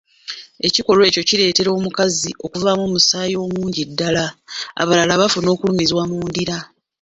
Ekikolwa ekyo kireetera omukazi okuvaamu omusaayi omungi ddala, abalala bafuna okulumizibwa mu ndira,